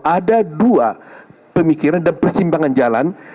ada dua pemikiran dan persimpangan jalan